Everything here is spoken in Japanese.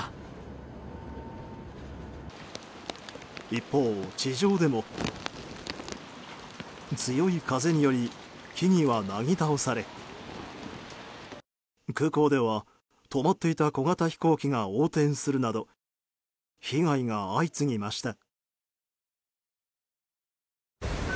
一方、地上でも強い風により木々はなぎ倒され空港では、止まっていた小型飛行機が横転するなど被害が相次ぎました。